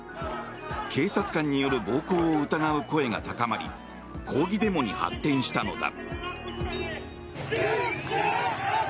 警察官による暴行を疑う声が高まり抗議デモに発展したのだ。